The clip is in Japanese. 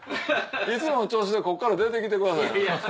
いつもの調子でここから出てきてください。